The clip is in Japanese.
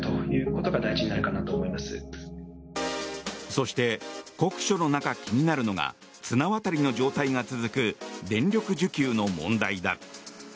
そして、酷暑の中気になるのが綱渡りの状態が続く電力需給の問題だ。